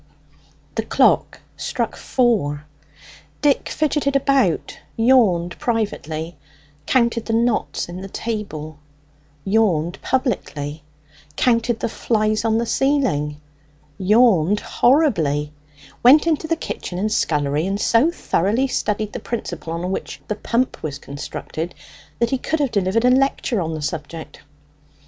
The clock struck four. Dick fidgeted about, yawned privately; counted the knots in the table, yawned publicly; counted the flies on the ceiling, yawned horribly; went into the kitchen and scullery, and so thoroughly studied the principle upon which the pump was constructed that he could have delivered a lecture on the subject.